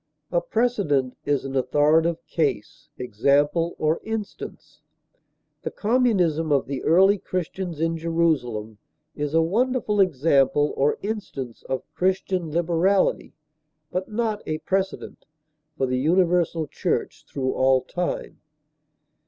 A precedent is an authoritative case, example, or instance. The communism of the early Christians in Jerusalem is a wonderful example or instance of Christian liberality, but not a precedent for the universal church through all time.